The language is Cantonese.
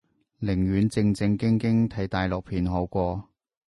寧願正正經經睇大陸片好過